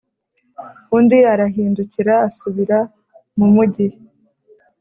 undi arahindukira asubira mu mugi.